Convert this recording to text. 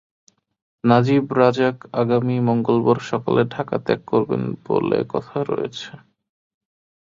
Najib Razak আগামী মঙ্গলবার সকালে ঢাকা ত্যাগ করবেন বলে কথা রয়েছে।